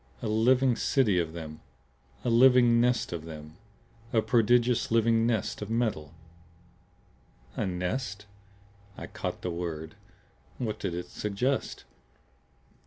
"A living city of them! A living nest of them; a prodigious living nest of metal!" "A nest?" I caught the word. What did it suggest?